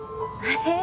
えっ。